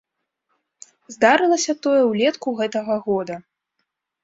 Здарылася тое ўлетку гэтага года.